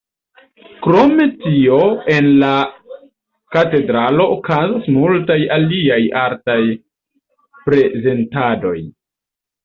Krom tio en la katedralo okazas multaj aliaj artaj prezentadoj.